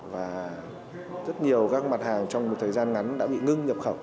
và rất nhiều các mặt hàng trong một thời gian ngắn đã bị ngưng nhập khẩu